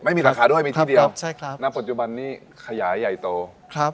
ไม่มีสาขาด้วยมีที่เดียวใช่ครับณปัจจุบันนี้ขยายใหญ่โตครับ